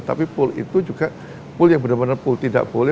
tapi pool itu juga pool yang benar benar pool tidak boleh